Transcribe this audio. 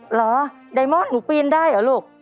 เหรอไดมอนด์หนูปีนได้เหรอลูก